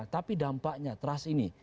tapi dampaknya teras ini